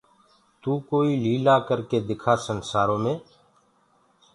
تو ڪوئيٚ ليلآ ڪرڪي دکآ سنسآرو مي